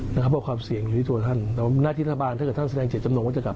เพราะว่าความเสี่ยงอยู่ที่ตัวท่านและน่าทิศบาลถ้าท่านแสดงเฉียดจำนวนว่าจะกลับ